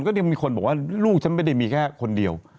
ก็ยังมีคนบอกว่าลูกฉันไม่ได้มีแค่คนเดียว